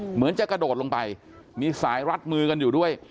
เหมือนจะกระโดดลงไปมีสายรัดมือกันอยู่ด้วย